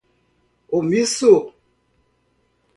omisso